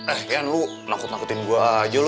eh yan lo nakut nakutin gue aja lo